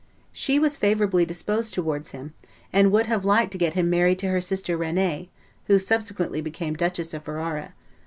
She was favorably disposed towards him, and would have liked to get him married to her sister Renee, who subsequently became Duchess of Ferrara.